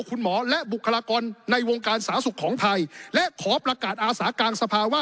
คุณหมอและบุคลากรในวงการสาธารณสุขของไทยและขอประกาศอาสากลางสภาวะ